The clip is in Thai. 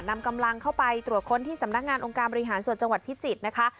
นำกำลังเข้าไปตรวจค้นที่สำนักงานองค์การบริหารส่วนจังหวัดพิจิตรนะคะ